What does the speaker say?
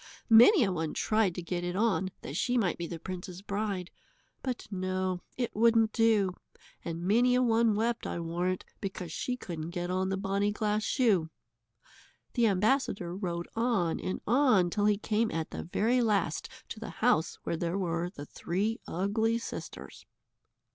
Many a one tried to get it on that she might be the prince's bride. But no, it wouldn't do, and many a one wept, I warrant, because she couldn't get on the bonny glass shoe. The ambassador rode on and on till he came at the very last to the house where there were the three ugly sisters.